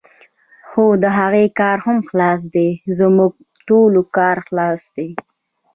خو د هغوی کار هم خلاص دی، زموږ ټولو کار خلاص دی.